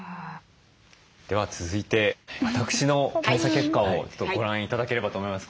では続いて私の検査結果をご覧頂ければと思います。